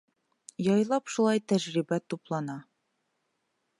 Яйлап шулай тәжрибә туплана.